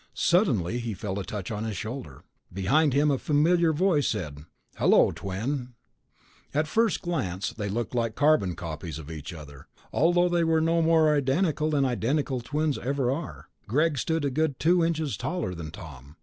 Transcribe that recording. Suddenly he felt a touch on his shoulder. Behind him, a familiar voice said, "Hello, Twin." At first glance they looked like carbon copies of each other, although they were no more identical than identical twins ever are. Greg stood a good two inches taller than Tom.